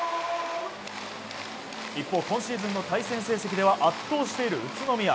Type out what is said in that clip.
一方、今シーズンの対戦成績では圧倒している宇都宮。